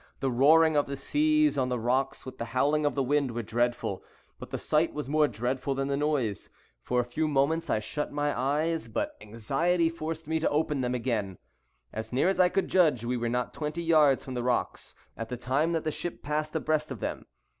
The roaring of the seas on the rocks, with the howling of the wind, were dreadful; but the sight was more dreadful than the noise. For a few moments I shut my eyes, but anxiety forced me to open them again. As near as I could judge, we were not twenty yards from the rocks, at the time that the ship passed abreast of them.